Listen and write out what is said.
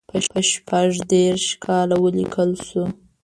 په شپږ دېرش کال کې ولیکل شو.